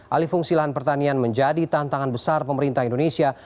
alih fungsi lahan pertanian menjadi tantangan besar pemerintah indonesia